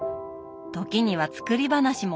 時には作り話も。